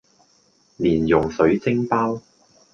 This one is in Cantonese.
蓮蓉水晶包